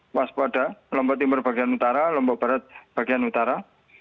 waspada lombok timur bagian utara lombok barat bagian utara